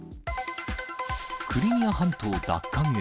クリミア半島奪還へ。